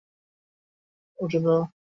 ঘরে ঢুকিতেই বিনোদিনী বলিয়া উঠিল, এ কী বিহারীবাবু!